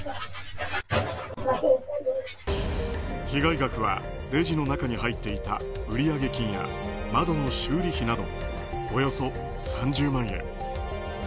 被害額はレジの中に入っていた売上金や窓の修理費などおよそ３０万円。